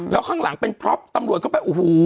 แล้วข้างหลังเป็นพร้อมที่ตำรวจเข้าไป